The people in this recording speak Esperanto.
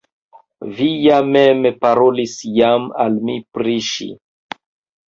Vi ja mem parolis jam al mi pri ŝi!